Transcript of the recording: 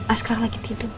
asghar lagi tidur